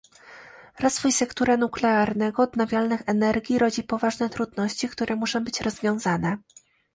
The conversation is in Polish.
Rozwój sektora nuklearnego i odnawialnych energii rodzi poważne trudności, które muszą być rozwiązane